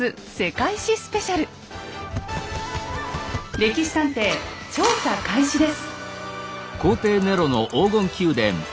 「歴史探偵」調査開始です。